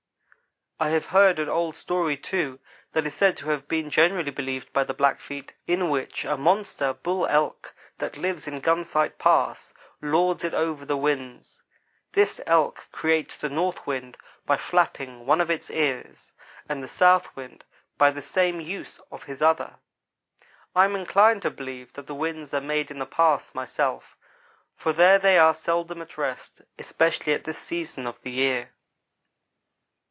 I have heard an old story, too, that is said to have been generally believed by the Blackfeet, in which a monster bull elk that lives in Gunsight Pass lords it over the winds. This elk creates the North wind by "flapping" one of his ears, and the South wind by the same use of his other. I am inclined to believe that the winds are made in that Pass, myself, for there they are seldom at rest, especially at this season of the year.